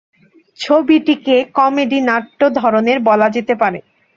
ছবিটিকে কমেডি নাট্য ধরনের বলা যেতে পারে।